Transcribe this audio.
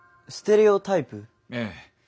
ええ。